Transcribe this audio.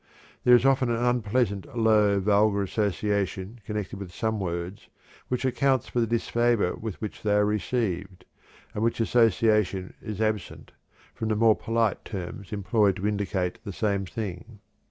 There is often an unpleasant, low, vulgar association connected with some words which accounts for the disfavor with which they are received, and which association is absent from the more "polite" terms employed to indicate the same thing.